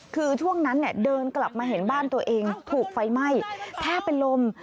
คือช่วงนั้นเนี่ยเดินกลับมาเห็นบ้านตัวเองถูกไฟไหม้แทบเป็นลม